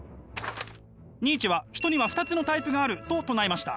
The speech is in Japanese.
ニーチェは人には２つのタイプがあると唱えました。